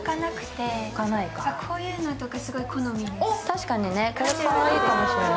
たしかにね、これ、かわいいかもしれない。